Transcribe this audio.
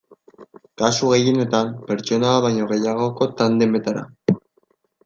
Kasu gehienetan, pertsona bat baino gehiagoko tandemetara.